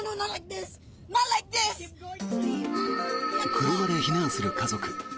車で避難する家族。